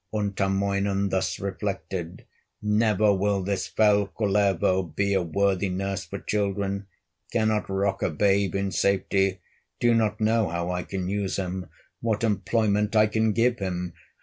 Untamoinen thus reflected: "Never will this fell Kullervo Be a worthy nurse for children, Cannot rock a babe in safety; Do not know how I can use him, What employment I can give him!"